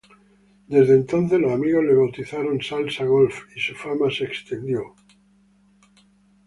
Desde entonces los amigos la bautizaron salsa golf y su fama se extendió.